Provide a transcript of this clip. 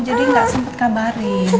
jadi gak sempet kabarin